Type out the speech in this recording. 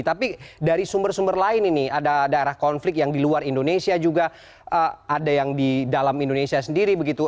tapi dari sumber sumber lain ini ada daerah konflik yang di luar indonesia juga ada yang di dalam indonesia sendiri begitu